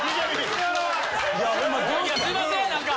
すいません何か。